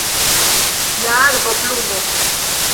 La arbo, plumo